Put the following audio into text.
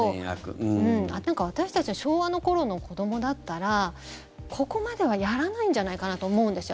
私たち昭和の頃の子どもだったらここまではやらないんじゃないかなと思うんですよ。